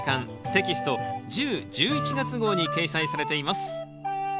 テキスト１０・１１月号に掲載されています。